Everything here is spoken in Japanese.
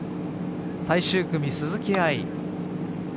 最終組、鈴木愛。